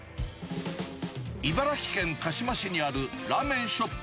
茨城県鹿嶋市にあるラーメンショップ